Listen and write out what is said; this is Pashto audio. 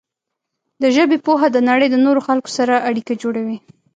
د ژبې پوهه د نړۍ د نورو خلکو سره اړیکه جوړوي.